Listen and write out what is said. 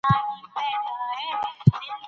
باید د طلاق د کچې د لوړوالي علتونه معلوم سي.